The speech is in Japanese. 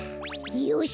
よし！